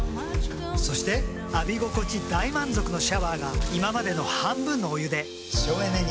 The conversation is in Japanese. そして浴び心地大満足のシャワーが今までの半分のお湯で省エネに。